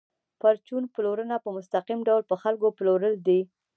پرچون پلورنه په مستقیم ډول په خلکو پلورل دي